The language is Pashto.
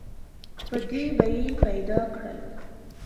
په دې به یې پیدا کړل.